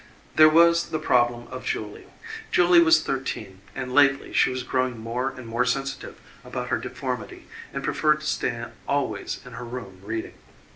There was the problem of Julie Julie was thirteen, and lately she was growing more and more sensitive about her deformity and preferred to stay always in her room reading.